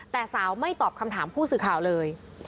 แต่สาวไม่ตอบคำถามผู้สื่อข่าวเลย